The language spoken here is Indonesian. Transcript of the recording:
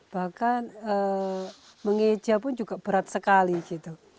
bahkan mengeja pun juga berat sekali gitu